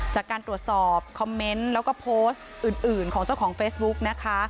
จากการตรวจสอบคอมเมนต์แล้วก็โพสต์อื่นของเจ้าของเฟซบุ๊กนะคะ